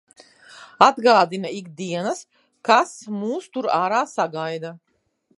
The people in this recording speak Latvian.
Atgādina ik dienas, kas mūs tur ārā sagaida.